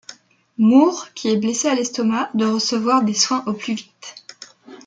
Moore qui est blessé à l'estomac doit recevoir des soins au plus vite.